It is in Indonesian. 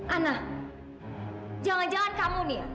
ana jangan jangan kamu nih